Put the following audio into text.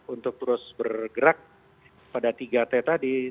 untuk terus bergerak pada tiga t tadi